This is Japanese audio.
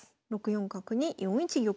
６四角に４一玉。